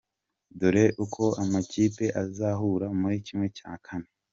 Dore uko amakipe azahura muri kimwe cya kane.